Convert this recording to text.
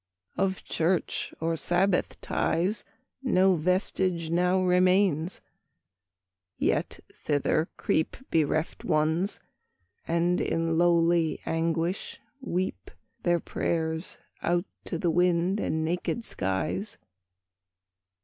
Of church, or sabbath ties, 5 No vestige now remains; yet thither creep Bereft Ones, and in lowly anguish weep Their prayers out to the wind and naked skies.